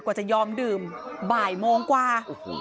กว่าจะยอมดื่มบ่ายโมงกว่า